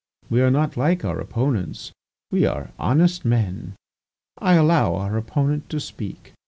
We are not like our opponents, we are honest men. I allow our opponent to speak.